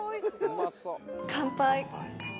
乾杯。